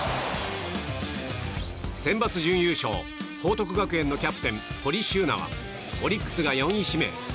センバツ準優勝報徳学園のキャプテン、堀柊那はオリックスが４位指名。